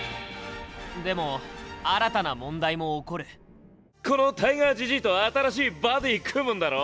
でも新たな問題も起こるこのタイガーじじいと新しいバディ組むんだろ？